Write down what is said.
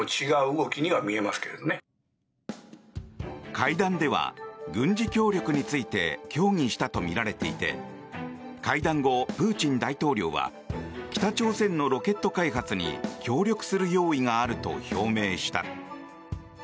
会談では軍事協力について協議したとみられていて会談後、プーチン大統領は北朝鮮のロケット開発に協力する用意があると表明した。